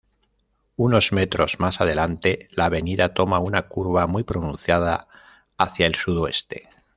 Unos metros más adelante, la avenida toma una curva muy pronunciada hacia el sudoeste.